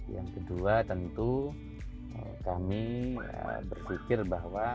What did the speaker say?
yang kedua tentu kami berpikir bahwa